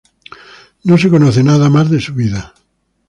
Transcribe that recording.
No se conoce nada más de su vida.